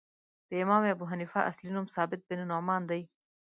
د امام ابو حنیفه اصلی نوم ثابت بن نعمان دی .